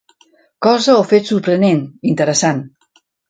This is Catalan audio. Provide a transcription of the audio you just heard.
Cosa o fet sorprenent, interessant.